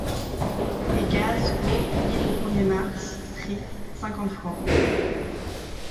et gaz, eau, libre au premier Mars, prix : cinquante fr.